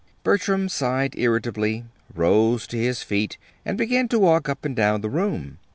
Bertram sighed irritably, rose to his feet, and began to walk up and down the room.